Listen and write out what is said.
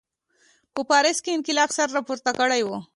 په پاریس کې انقلاب سر راپورته کړی و.